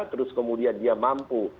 terus kemudian dia mampu